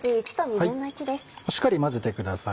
しっかり混ぜてください。